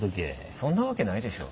そんなわけないでしょ。